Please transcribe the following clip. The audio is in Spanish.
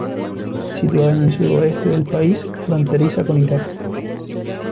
Situada en el sudoeste del país, fronteriza con Irak.